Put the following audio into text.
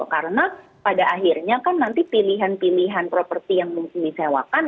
karena pada akhirnya kan nanti pilihan pilihan properti yang bisa disewakan